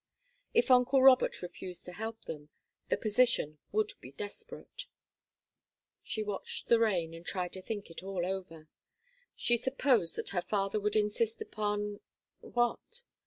If uncle Robert refused to help them, the position would be desperate. She watched the rain and tried to think it all over. She supposed that her father would insist upon what?